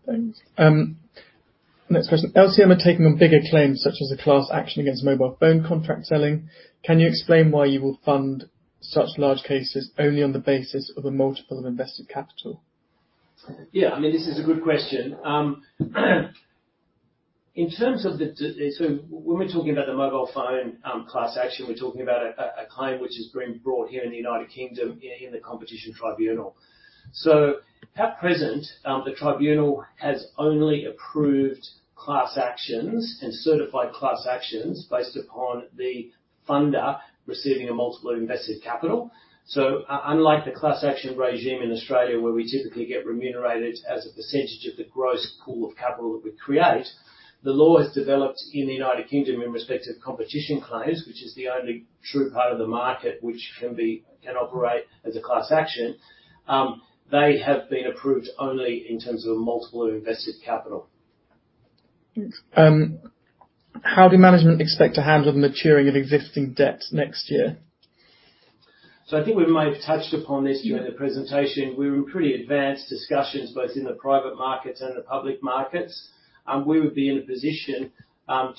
Thanks. Next question. LCM are taking on bigger claims such as a class action against mobile phone contract selling. Can you explain why you will fund such large cases only on the basis of a multiple of invested capital? Yeah. I mean, this is a good question. In terms of the, so when we're talking about the mobile phone class action, we're talking about a claim which has been brought here in the United Kingdom in the Competition Appeal Tribunal. So at present, the tribunal has only approved class actions and certified class actions based upon the funder receiving a multiple of invested capital. So unlike the class action regime in Australia where we typically get remunerated as a percentage of the gross pool of capital that we create, the law has developed in the United Kingdom in respect of competition claims which is the only true part of the market which can operate as a class action. They have been approved only in terms of a multiple of invested capital. Thanks. How do management expect to handle the maturing of existing debt next year? So I think we may have touched upon this during the presentation. We're in pretty advanced discussions both in the private markets and the public markets. We would be in a position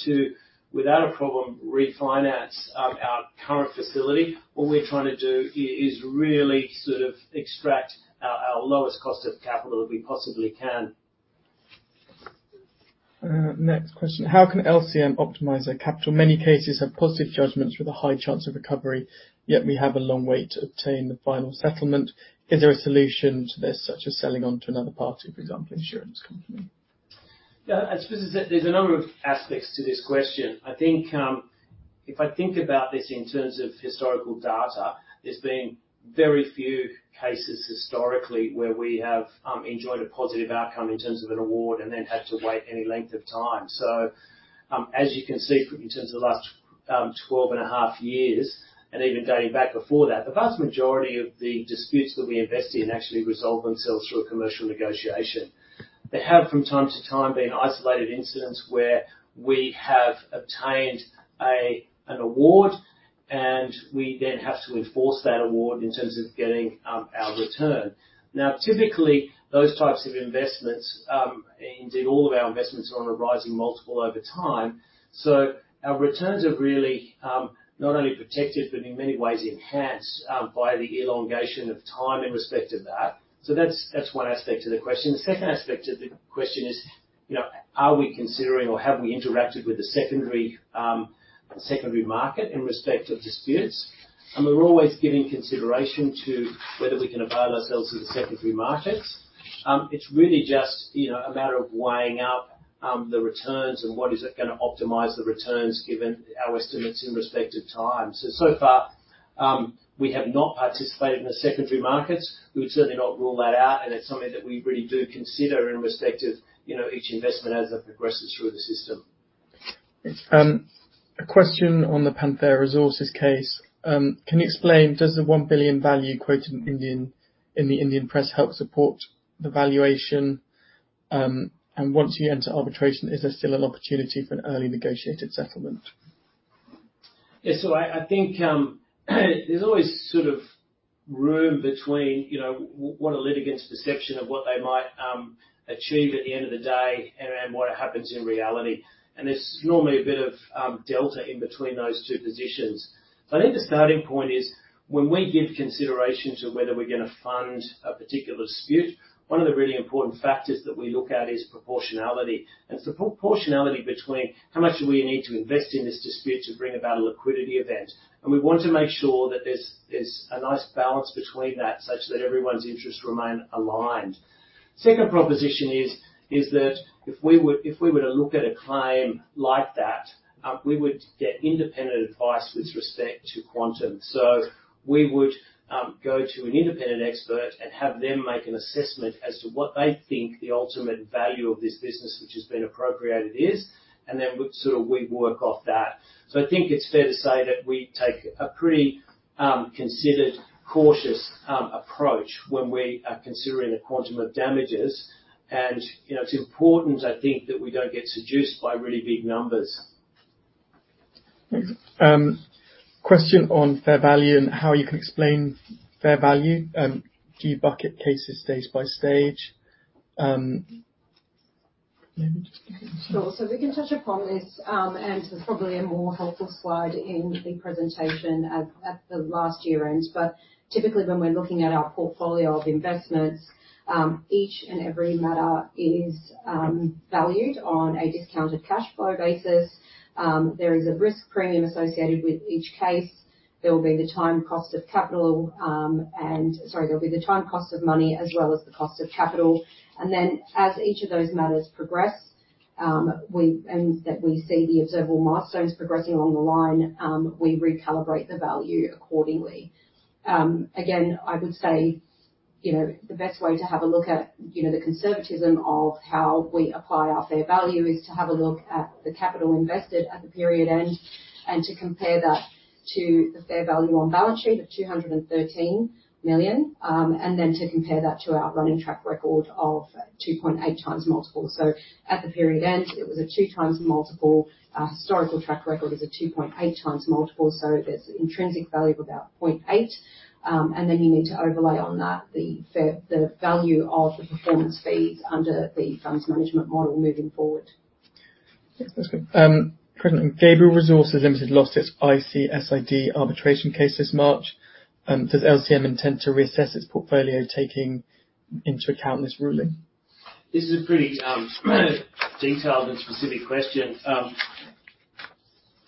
to without a problem refinance our current facility. What we're trying to do is really sort of extract our lowest cost of capital that we possibly can. Next question. How can LCM optimize their capital? Many cases have positive judgments with a high chance of recovery, yet we have a long wait to obtain the final settlement. Is there a solution to this such as selling on to another party, for example, insurance company? Yeah. I suppose there's a number of aspects to this question. I think, if I think about this in terms of historical data, there's been very few cases historically where we have enjoyed a positive outcome in terms of an award and then had to wait any length of time. So, as you can see in terms of the last 12.5 years and even dating back before that, the vast majority of the disputes that we invest in actually resolve themselves through a commercial negotiation. There have from time to time been isolated incidents where we have obtained an award and we then have to enforce that award in terms of getting our return. Now typically, those types of investments, indeed all of our investments are on a rising multiple over time. So our returns are really not only protected but in many ways enhanced by the elongation of time in respect of that. So that's one aspect of the question. The second aspect of the question is, you know, are we considering or have we interacted with a secondary market in respect of disputes? And we're always giving consideration to whether we can avail ourselves of the secondary markets. It's really just, you know, a matter of weighing up the returns and what is it gonna optimise the returns given our estimates in respect of time. So so far, we have not participated in the secondary markets. We would certainly not rule that out, and it's something that we really do consider in respect of, you know, each investment as it progresses through the system. Thanks. A question on the Panthera Resources case. Can you explain does the $1 billion value quoted in Indian in the Indian press help support the valuation? And once you enter arbitration, is there still an opportunity for an early negotiated settlement? Yeah. So I, I think, there's always sort of room between, you know, w-what a litigant's perception of what they might, achieve at the end of the day and, and what happens in reality. And there's normally a bit of, delta in between those two positions. So I think the starting point is when we give consideration to whether we're gonna fund a particular dispute, one of the really important factors that we look at is proportionality. It's the proportionality between how much do we need to invest in this dispute to bring about a liquidity event. We want to make sure that there's a nice balance between that such that everyone's interests remain aligned. Second proposition is that if we were to look at a claim like that, we would get independent advice with respect to quantum. So we would go to an independent expert and have them make an assessment as to what they think the ultimate value of this business which has been appropriated is, and then we sort of work off that. So I think it's fair to say that we take a pretty considered, cautious approach when we are considering the quantum of damages. And, you know, it's important, I think, that we don't get seduced by really big numbers. Thanks. Question on fair value and how you can explain fair value. Do you bucket cases stage by stage? Maybe just give me a second. Sure. So we can touch upon this, and there's probably a more helpful slide in the presentation at the last year ends. But typically, when we're looking at our portfolio of investments, each and every matter is valued on a discounted cash flow basis. There is a risk premium associated with each case. There will be the time cost of capital, and sorry, there'll be the time cost of money as well as the cost of capital. Then as each of those matters progress, we and that we see the observable milestones progressing along the line, we recalibrate the value accordingly. Again, I would say, you know, the best way to have a look at, you know, the conservatism of how we apply our fair value is to have a look at the capital invested at the period end and to compare that to the fair value on balance sheet of 213 million, and then to compare that to our running track record of 2.8x multiple. So at the period end, it was a 2x multiple. Our historical track record is a 2.8x multiple. So there's intrinsic value of about 0.8. And then you need to overlay on that the fair value of the performance fees under the funds management model moving forward. Thanks. That's good. Present, Gabriel Resources Ltd lost its ICSID arbitration case this March. Does LCM intend to reassess its portfolio taking into account this ruling? This is a pretty detailed and specific question.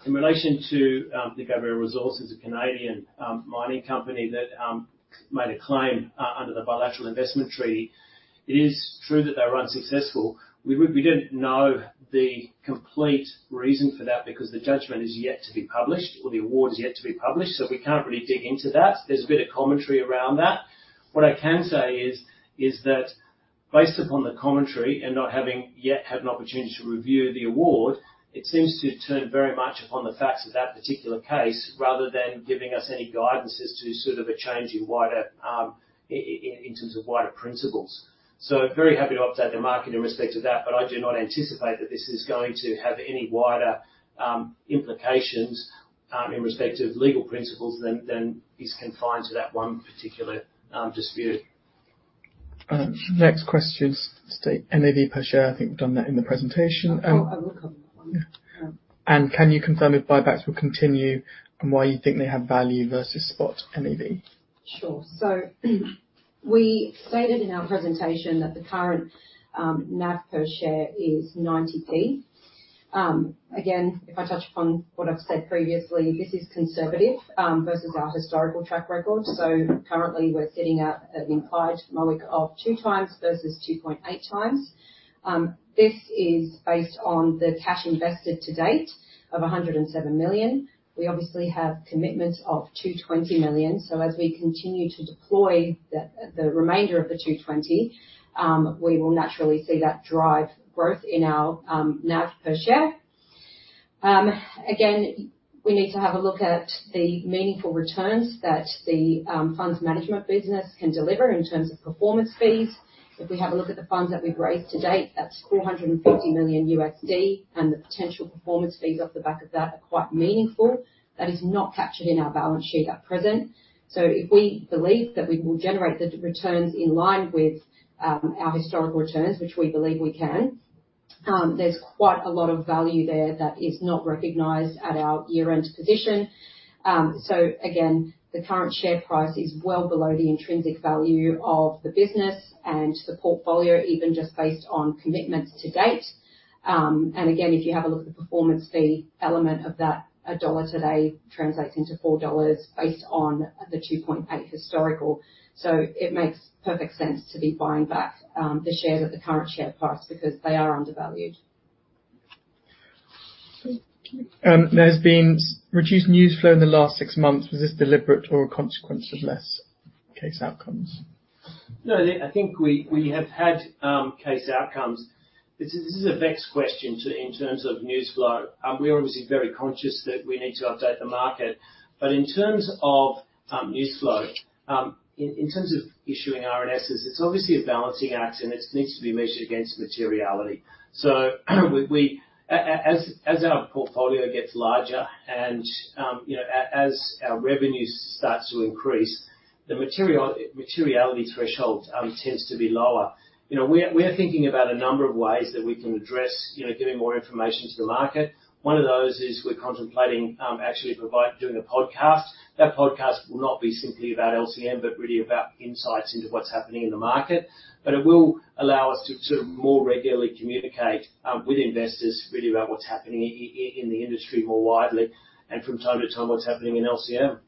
In relation to the Gabriel Resources, a Canadian mining company that made a claim under the Bilateral Investment Treaty, it is true that they're unsuccessful. We didn't know the complete reason for that because the judgment is yet to be published or the award is yet to be published, so we can't really dig into that. There's a bit of commentary around that. What I can say is that based upon the commentary and not having yet had an opportunity to review the award, it seems to turn very much upon the facts of that particular case rather than giving us any guidances to sort of a change in wider in terms of wider principles. So very happy to update the market in respect of that, but I do not anticipate that this is going to have any wider implications in respect of legal principles than is confined to that one particular dispute. Next question: stat NAV per share. I think we've done that in the presentation. Oh, I will cover that one. Yeah. And can you confirm if buybacks will continue and why you think they have value versus spot NAV? Sure. So we stated in our presentation that the current NAV per share is 0.90. Again, if I touch upon what I've said previously, this is conservative versus our historical track record. So currently, we're sitting at an implied MOIC of 2x versus 2.8x. This is based on the cash invested to date of 107 million. We obviously have commitments of 220 million. So as we continue to deploy the remainder of the $220 million, we will naturally see that drive growth in our NAV per share. Again, we need to have a look at the meaningful returns that the funds management business can deliver in terms of performance fees. If we have a look at the funds that we've raised to date, that's $450 million, and the potential performance fees off the back of that are quite meaningful. That is not captured in our balance sheet at present. So if we believe that we will generate the returns in line with our historical returns which we believe we can, there's quite a lot of value there that is not recognized at our year-end position. So again, the current share price is well below the intrinsic value of the business and the portfolio even just based on commitments to date. And again, if you have a look at the performance fee element of that, a dollar today translates into $4 based on the 2.8 historical. So it makes perfect sense to be buying back the shares at the current share price because they are undervalued. Thanks. There has been reduced news flow in the last six months. Was this deliberate or a consequence of less case outcomes? No. I think we have had case outcomes. It's a vex question in terms of news flow. We're obviously very conscious that we need to update the market. But in terms of news flow, in terms of issuing RNSs, it's obviously a balancing act and it needs to be measured against materiality. So we as our portfolio gets larger and, you know, as our revenues starts to increase, the materiality threshold tends to be lower. You know, we're thinking about a number of ways that we can address, you know, giving more information to the market. One of those is we're contemplating actually providing a podcast. That podcast will not be simply about LCM but really about insights into what's happening in the market. But it will allow us to sort of more regularly communicate with investors really about what's happening in the industry more widely and from time to time what's happening in LCM.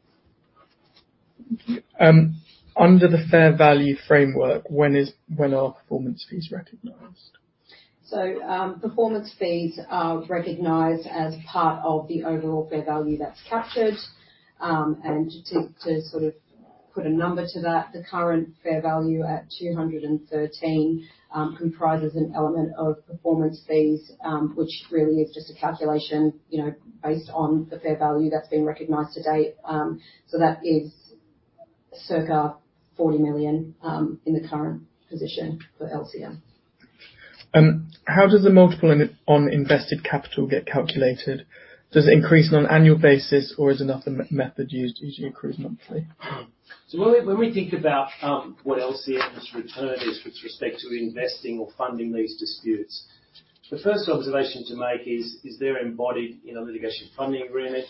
Thank you. Under the fair value framework, when are performance fees recognized? So, performance fees are recognized as part of the overall fair value that's captured. To sort of put a number to that, the current fair value at 213 million comprises an element of performance fees, which really is just a calculation, you know, based on the fair value that's been recognized to date. That is circa 40 million in the current position for LCM. How does the multiple on invested capital get calculated? Does it increase on an annual basis or is the method used usually accrue monthly? When we think about what LCM's return is with respect to investing or funding these disputes, the first observation to make is they are embodied in a litigation funding agreement.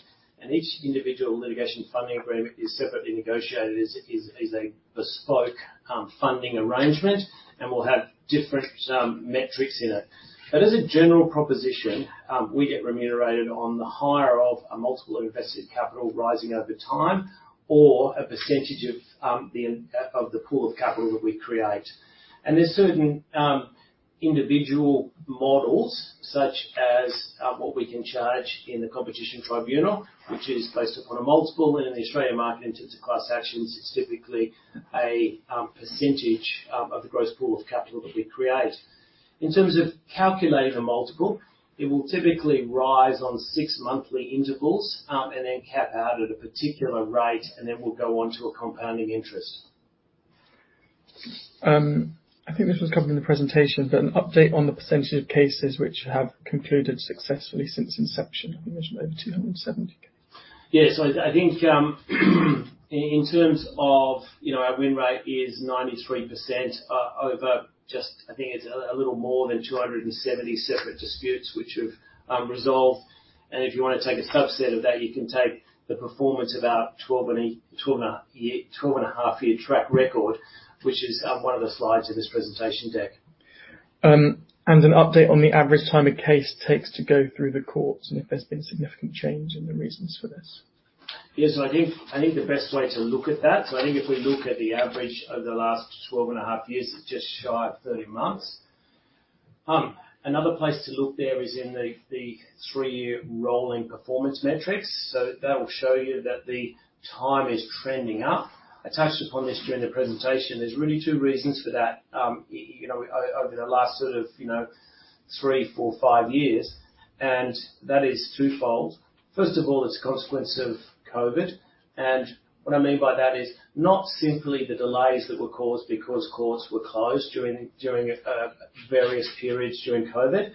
Each individual litigation funding agreement is separately negotiated as a bespoke funding arrangement and will have different metrics in it. But as a general proposition, we get remunerated on the higher of a multiple of invested capital rising over time or a percentage of the end of the pool of capital that we create. And there's certain individual models such as what we can charge in the Competition Appeal Tribunal which is based upon a multiple. And in the Australian market in terms of class actions, it's typically a percentage of the gross pool of capital that we create. In terms of calculating a multiple, it will typically rise on six-monthly intervals, and then cap out at a particular rate, and then will go on to a compounding interest. I think this was covered in the presentation, but an update on the percentage of cases which have concluded successfully since inception. You mentioned over 270 cases. Yeah. So I think, in terms of, you know, our win rate is 93%, over just I think it's a little more than 270 separate disputes which have resolved. And if you wanna take a subset of that, you can take the performance of our 12 and a half year track record which is one of the slides in this presentation deck. And an update on the average time a case takes to go through the courts and if there's been a significant change in the reasons for this? Yeah. So I think the best way to look at that is if we look at the average over the last 12 and a half years, it's just shy of 30 months. Another place to look there is in the three-year rolling performance metrics. So that'll show you that the time is trending up. I touched upon this during the presentation. There's really two reasons for that. You know, over the last sort of, you know, 3, 4, 5 years. And that is twofold. First of all, it's a consequence of COVID. And what I mean by that is not simply the delays that were caused because courts were closed during, during various periods during COVID,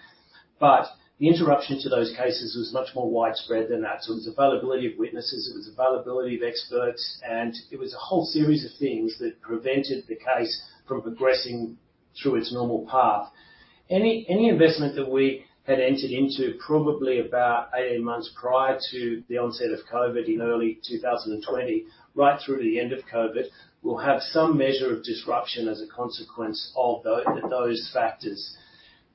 but the interruption to those cases was much more widespread than that. So it was availability of witnesses. It was availability of experts. And it was a whole series of things that prevented the case from progressing through its normal path. Any investment that we had entered into probably about 18 months prior to the onset of COVID in early 2020 right through to the end of COVID will have some measure of disruption as a consequence of those factors.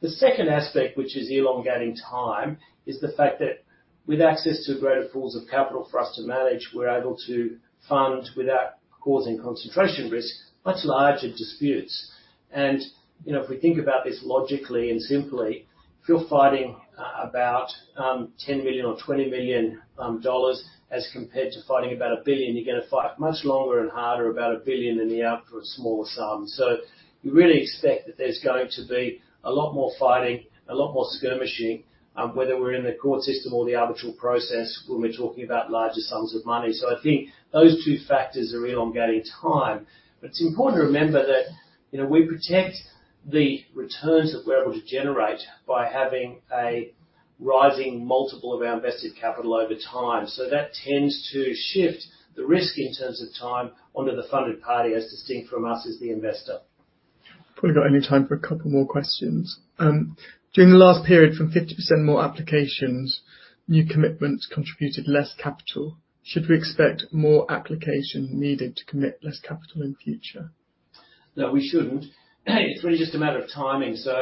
The second aspect which is elongating time is the fact that with access to greater pools of capital for us to manage, we're able to fund without causing concentration risk much larger disputes. You know, if we think about this logically and simply, if you're fighting about $10 million or $20 million as compared to fighting about $1 billion, you're gonna fight much longer and harder about $1 billion in the out for a smaller sum. So you really expect that there's going to be a lot more fighting, a lot more skirmishing, whether we're in the court system or the arbitral process when we're talking about larger sums of money. So I think those two factors are elongating time. But it's important to remember that, you know, we protect the returns that we're able to generate by having a rising multiple of our invested capital over time. So that tends to shift the risk in terms of time onto the funded party as distinct from us as the investor. I've probably got any time for a couple more questions. During the last period from 50% more applications, new commitments contributed less capital. Should we expect more applications needed to commit less capital in future? No. We shouldn't. It's really just a matter of timing. So,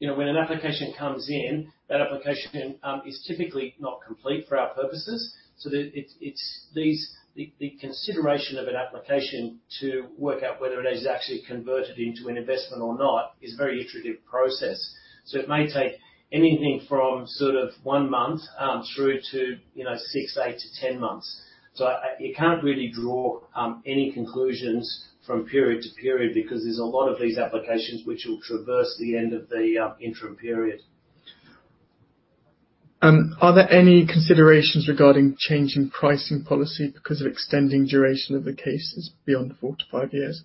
you know, when an application comes in, that application is typically not complete for our purposes. So, it's the consideration of an application to work out whether it is actually converted into an investment or not is a very iterative process. So it may take anything from sort of 1 month, through to, you know, 6, 8 to 10 months. So, you can't really draw any conclusions from period to period because there's a lot of these applications which will traverse the end of the interim period. Are there any considerations regarding changing pricing policy because of extending duration of the cases beyond 4-5 years?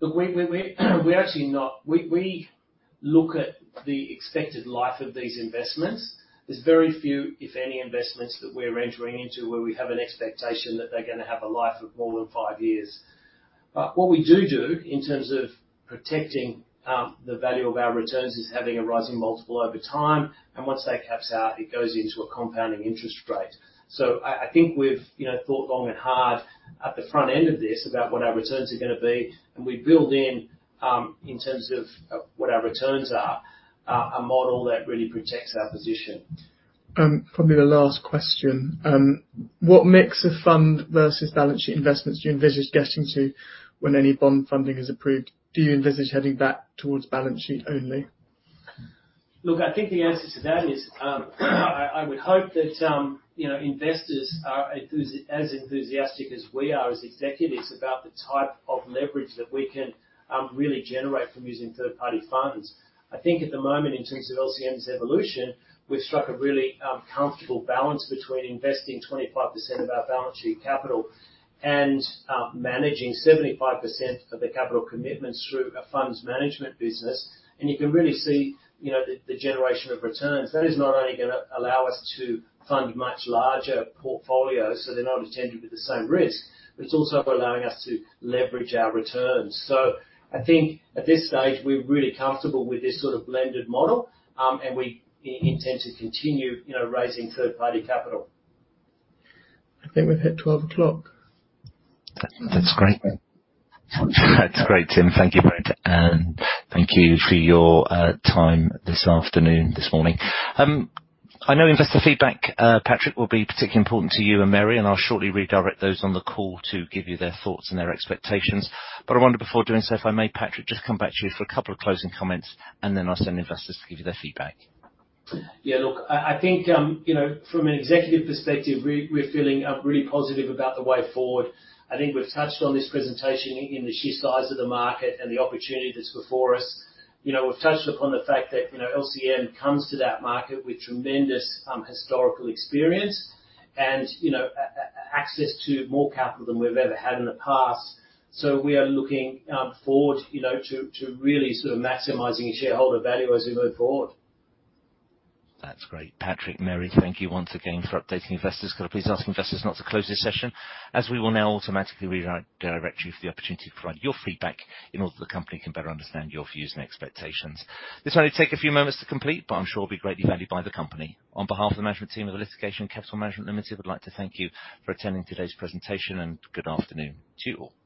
Look, we actually look at the expected life of these investments. There's very few, if any, investments that we're entering into where we have an expectation that they're gonna have a life of more than five years. What we do do in terms of protecting the value of our returns is having a rising multiple over time. And once that caps out, it goes into a compounding interest rate. So I think we've, you know, thought long and hard at the front end of this about what our returns are gonna be. And we build in terms of what our returns are, a model that really protects our position. Probably the last question. What mix of fund versus balance sheet investments do you envisage getting to when any bond funding is approved? Do you envisage heading back towards balance sheet only? Look, I think the answer to that is, I would hope that, you know, investors are as enthusiastic as we are as executives about the type of leverage that we can really generate from using third-party funds. I think at the moment in terms of LCM's evolution, we've struck a really comfortable balance between investing 25% of our balance sheet capital and managing 75% of the capital commitments through a funds management business. And you can really see, you know, the generation of returns. That is not only gonna allow us to fund much larger portfolios so they're not attended with the same risk, but it's also allowing us to leverage our returns. So I think at this stage, we're really comfortable with this sort of blended model, and we intend to continue, you know, raising third-party capital. I think we've hit 12 o'clock. That's great. That's great, Tim. Thank you, Brent. And thank you for your time this afternoon, this morning. I know investor feedback, Patrick, will be particularly important to you and Mary. And I'll shortly redirect those on the call to give you their thoughts and their expectations. But I wonder before doing so, if I may, Patrick, just come back to you for a couple of closing comments and then I'll send investors to give you their feedback. Yeah. Look, I think, you know, from an executive perspective, we're feeling really positive about the way forward. I think we've touched on this presentation in the sheer size of the market and the opportunity that's before us. You know, we've touched upon the fact that, you know, LCM comes to that market with tremendous historical experience and, you know, access to more capital than we've ever had in the past. So we are looking forward, you know, to really sort of maximizing shareholder value as we move forward. That's great. Patrick, Mary, thank you once again for updating investors. Got to please ask investors not to close this session as we will now automatically redirect you for the opportunity to provide your feedback in order the company can better understand your views and expectations. This may take a few moments to complete, but I'm sure it'll be greatly valued by the company. On behalf of the management team of the Litigation Capital Management Limited, I'd like to thank you for attending today's presentation. Good afternoon to all.